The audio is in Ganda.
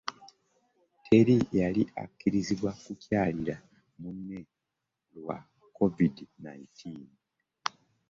Teri yali akkirizibwa kukyalira munne lwa covid nineteen.